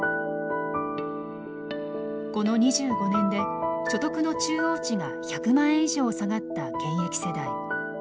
この２５年で所得の中央値が１００万円以上下がった現役世代。